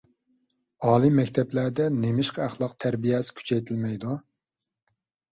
ئالىي مەكتەپلەردە نېمىشقا ئەخلاق تەربىيەسى كۈچەيتىلمەيدۇ؟